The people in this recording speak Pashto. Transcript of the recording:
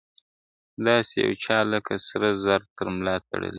داسي يوه چا لكه سره زر تر ملا تړلى يم.